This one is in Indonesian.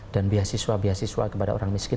dan beasiswa beasiswa kepada orang miskin